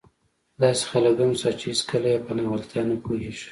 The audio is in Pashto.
داسې خلک هم شته چې هېڅکله يې په ناولتیا نه پوهېږي.